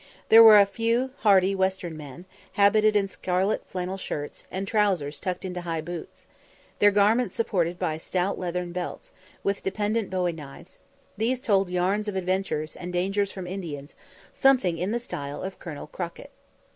There were a very few hardy western men, habited in scarlet flannel shirts, and trowsers tucked into high boots, their garments supported by stout leathern belts, with dependent bowie knives; these told "yarns" of adventures, and dangers from Indians, something in the style of Colonel Crockett.